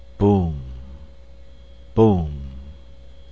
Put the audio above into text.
Boom.... Boom.